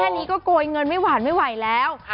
นี้ก็โกยเงินไม่หวานไม่ไหวแล้ว